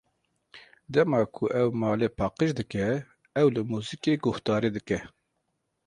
Dema ku ew malê paqij dike, ew li muzîkê guhdarî dike.